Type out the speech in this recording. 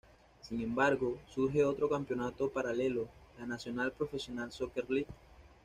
Sin embargo, surge otro campeonato paralelo, la "National Professional Soccer League".